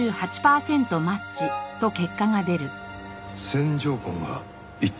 線条痕が一致した。